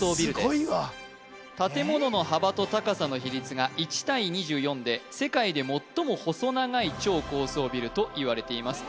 すごいわ建物の幅と高さの比率が１対２４で世界で最も細長い超高層ビルといわれています